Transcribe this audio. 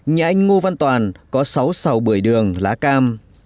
nhà anh ngô văn toàn có sáu sào bưởi đường lá cam